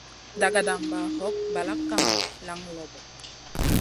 Dagadamba hog balak kaŋu, laŋ loɓo.